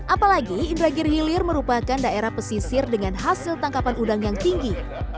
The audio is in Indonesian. apalagi indragir hilir merupakan daerah pesisir dengan hasil tangkapan udang yang tinggi